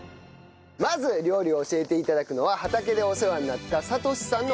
まず料理を教えて頂くのは畑でお世話になった悟司さんのお母様です。